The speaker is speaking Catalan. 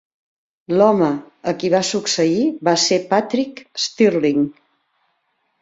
L'home a qui va succeir va ser Patrick Stirling.